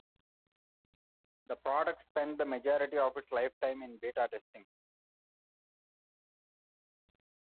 The product spent the majority of its lifetime in beta testing.